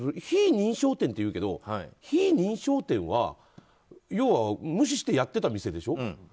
非認証店っていうけど非認証店は要は無視してやってた店でしょ？